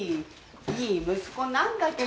いい息子なんだけど。